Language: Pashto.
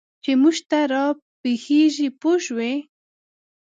چې موږ ته را پېښېږي پوه شوې!.